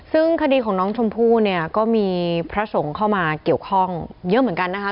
ซึ่งคดีของน้องชมพู่เนี่ยก็มีพระสงฆ์เข้ามาเกี่ยวข้องเยอะเหมือนกันนะคะ